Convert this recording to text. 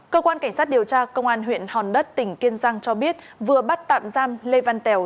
cơ quan cảnh sát điều tra công an huyện hòn đất tỉnh kiên giang cho biết vừa bắt tạm giam lê văn tèo